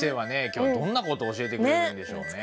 今日どんな事を教えてくれるんでしょうね。